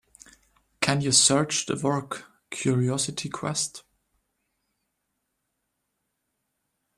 Can you search the work, Curiosity Quest?